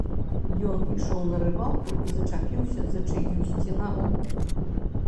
Ён ішоў на рыбалку і зачапіўся за чыюсьці нагу.